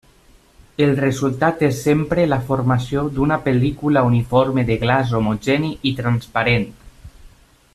El resultat és sempre la formació d'una pel·lícula uniforme de glaç homogeni i transparent.